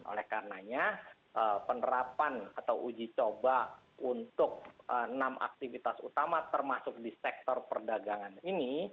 oleh karenanya penerapan atau uji coba untuk enam aktivitas utama termasuk di sektor perdagangan ini